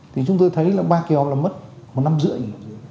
thì chúng tôi thấy là ba kỳ họp là mất một năm rưỡi